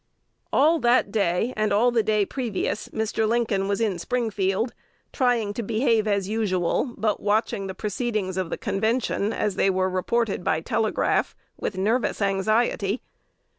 All that day and all the day previous Mr. Lincoln was in Springfield, trying to behave as usual, but watching the proceedings of the Convention, as they were reported by telegraph, with nervous anxiety.